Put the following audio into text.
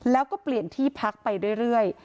แล้วก็เปลี่ยนที่พักไปเรื่อย